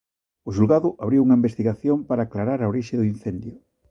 O xulgado abriu unha investigación para aclarar a orixe do incendio.